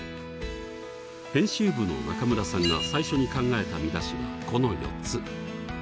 編集部の中村さんが最初に考えた見出しはこの４つ。